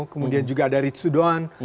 kemudian juga ada ritsu doan